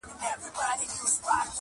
کرۍ ورځ به ومه ستړی ډکول مي ګودامونه؛